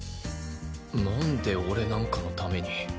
なんで俺なんかのために。